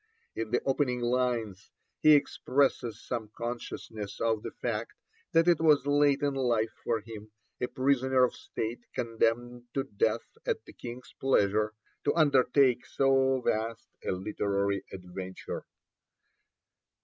In the opening lines he expresses some consciousness of the fact that it was late in life for him, a prisoner of State condemned to death at the King's pleasure, to undertake so vast a literary adventure.